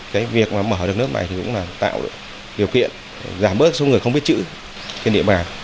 cái việc mà mở được nước này thì cũng là tạo điều kiện giảm bớt số người không biết chữ trên địa bàn